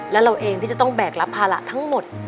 และเราเองที่จะต้องแบกรับภาระทั้งหมด